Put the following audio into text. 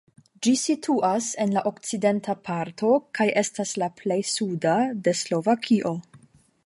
Ĝi situas en la okcidenta parto kaj estas la plej suda de Slovakio.